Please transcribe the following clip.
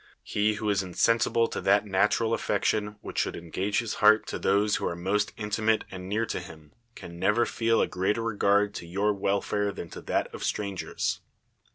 Re v\ ho is insensible to that natural affection which should engage his heart to thr se who are most intimate and near to him can never feel a greater regard to your welfare than to th t of strangers.